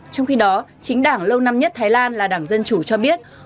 trong khi đó chính đảng lâu năm nhất thái lan là đảng dân chủ cho biết